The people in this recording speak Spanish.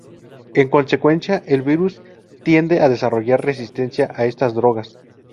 En consecuencia el virus tiende a desarrollar resistencia a estas drogas.